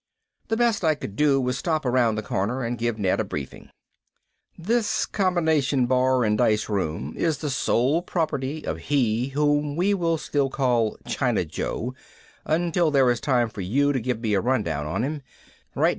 The best I could do was stop around the corner and give Ned a briefing. "This combination bar and dice room is the sole property of he whom we will still call China Joe until there is time for you to give me a rundown on him.